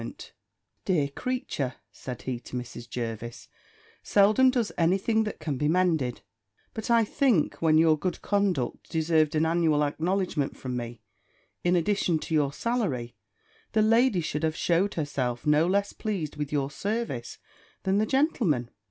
"The dear creature," said he, to Mrs. Jervis, "seldom does any thing that can be mended; but, I think, when your good conduct deserved an annual acknowledgment from me, in addition to your salary, the lady should have shewed herself no less pleased with your service than the gentleman.